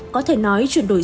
có thể nói chuyển đổi số